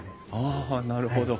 ああなるほど。